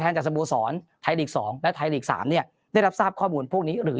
แถนจัชโบสอนไทรอีก๒และไทรอีก๓เนี่ยได้รับทราบข้อมูลพวกนี้หรือ